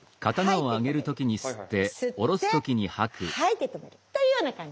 吸って吐いて止めるというような感じ。